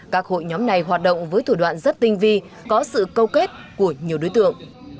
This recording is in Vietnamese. các hội nhóm này hoạt động với thủ đoạn rất tinh vi có sự câu kết của nhiều đối tượng